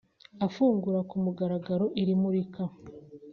Afungura ku mugaragaro iri murika